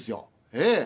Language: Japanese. ええ。